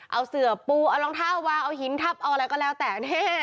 เอาเสือปูเอารองเท้าวางเอาหินทับเอาอะไรก็แล้วแต่